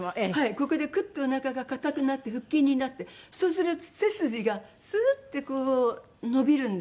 ここでクッとおなかが硬くなって腹筋になってそうすると背筋がスーッてこう伸びるんですね。